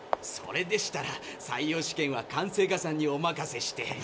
それでしたら採用試験は管制課さんにお任せして。